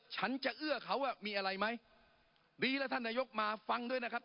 ฉันจะเอื้อเขาว่ามีอะไรไหมดีแล้วท่านนายกมาฟังด้วยนะครับ